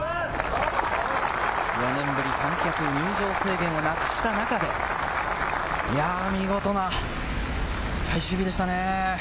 ４年ぶり、観客入場制限をなくした中で、見事な最終日でしたね。